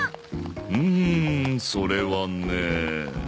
うんそれはね。